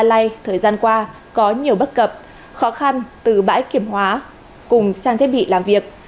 và la lai thời gian qua có nhiều bất cập khó khăn từ bãi kiểm hóa cùng trang thiết bị làm việc